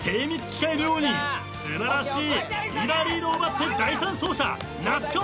機械のように素晴らしい今リードを奪って第三走者那須川